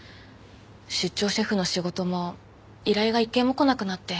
出張シェフの仕事も依頼が一件も来なくなって。